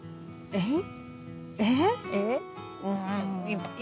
えっ？